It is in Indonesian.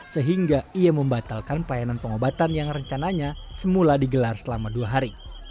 sehingga ia membatalkan pelayanan pengobatan yang rencananya semula digelar selama dua hari